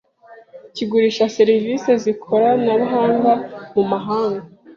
kigurisha serivise z’ikoranabuhanga mu mahanga